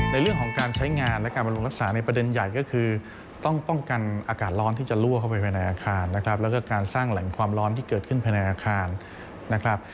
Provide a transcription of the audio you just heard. ในเรื่องของการใช้งานและการบำรุงรักษา